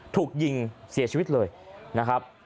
ถูกยิงเสียชีวิตเลยนะครับ